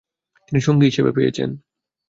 তিনি সঙ্গী হিসেবে পেয়েছেন।